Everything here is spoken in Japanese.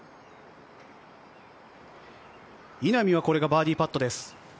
稲見は、これがバーディーパットです。